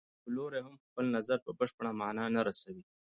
یو لوری هم خپل نظر په بشپړه معنا نه رسوي.